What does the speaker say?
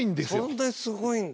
本当にすごいんだ。